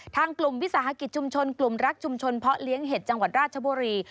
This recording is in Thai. ทางกลุ่มวิสาหกิจชุมชนกลุ่มรักชุมชนเพาะเลี้ยงเห็ดจังหวัดราชบุรี